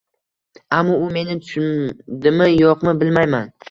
ammo u meni tushundimi-yo‘qmi bilmayman.